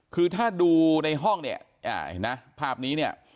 คือถ้าดูในห้องเนี่ยเห็นไหมภาพนี้เนี่ย